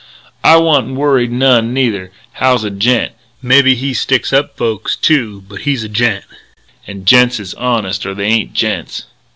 I wa'nt worried none, neither. Hal's a gent. Mebbe he sticks up folks, too, but he's a gent. And gents is honest or they ain't gents."